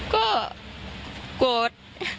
ก็โกรธ